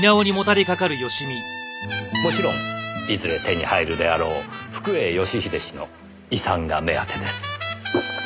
もちろんいずれ手に入るであろう福栄義英氏の遺産が目当てです。